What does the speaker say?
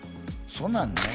そんなんね